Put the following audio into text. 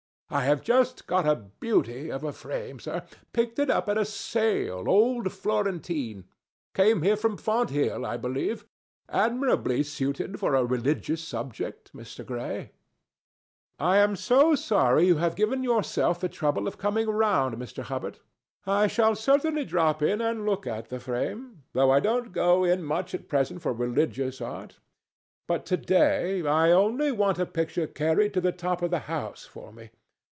I have just got a beauty of a frame, sir. Picked it up at a sale. Old Florentine. Came from Fonthill, I believe. Admirably suited for a religious subject, Mr. Gray." "I am so sorry you have given yourself the trouble of coming round, Mr. Hubbard. I shall certainly drop in and look at the frame—though I don't go in much at present for religious art—but to day I only want a picture carried to the top of the house for me.